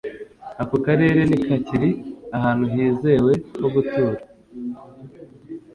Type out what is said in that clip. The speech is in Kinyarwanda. Ako karere ntikakiri ahantu hizewe ho gutura